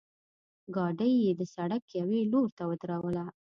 ګاډۍ یې د سړک یوې لورته ودروله.